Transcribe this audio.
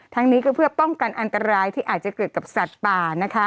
ทั้งนี้ก็เพื่อป้องกันอันตรายที่อาจจะเกิดกับสัตว์ป่านะคะ